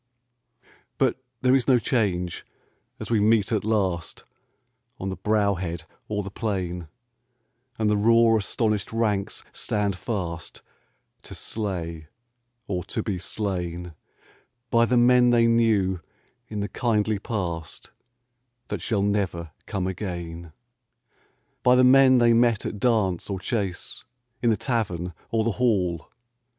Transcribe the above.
But there is no change as we meet at last On the brow head or the plain, And the raw astonished ranks stand fast To slay or to be slain By the men they knew in the kindly past That shall never come again — By the men they met at dance or chase, In the tavern or the hall.